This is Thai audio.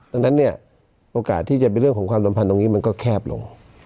ดังนั้นเนี่ยโอกาสที่จะเป็นเรื่องของความสัมพันธ์ตรงนี้มันก็แคบลง